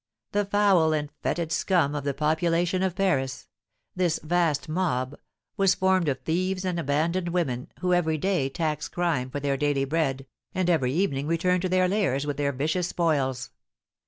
The foul and fetid scum of the population of Paris, this vast mob was formed of thieves and abandoned women, who every day tax crime for their daily bread, and every evening return to their lairs with their vicious spoils.